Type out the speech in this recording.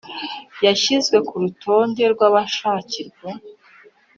Yashyizwe ku rutonde rw abashakirwa